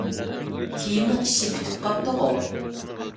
كىيىمنىڭ ئىشى پۈتۈپ قاپتۇغۇ!